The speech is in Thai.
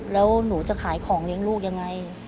แล้วหนูจะขายของเลี้ยงลูกยังไง